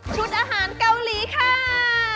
ชุดอาหารเกาหลีค่าาาาา